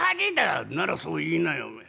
「ならそう言いなよおめえ。